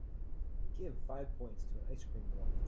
Give five points to An Ice-Cream War